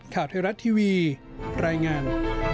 ข่าวไทยรัฐทีวีรายงาน